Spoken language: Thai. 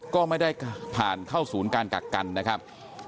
ก็ไม่ได้ผ่านเข้าศูนย์การกักกันนะครับ